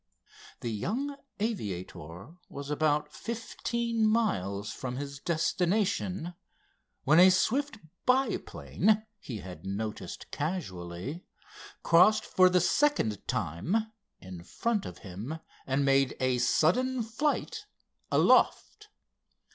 The young aviator was about fifteen miles from his destination, when a swift biplane he had noticed casually, crossed for the second time in front of him and made a sudden flight aloft.